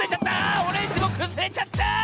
オレンジもくずれちゃった！